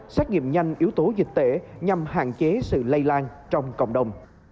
xét nghiệm nhanh yếu tố dịch tễ nhằm hạn chế sự lây lan trong cộng đồng